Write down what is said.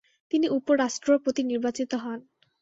তিনি উপ-রাষ্ট্রপতি নির্বাচিত হন।